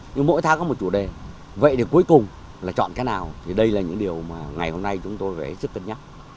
nhưng mỗi tháng có một chủ đề vậy thì cuối cùng là chọn cái nào thì đây là những điều mà ngày hôm nay chúng tôi phải hết sức cân nhắc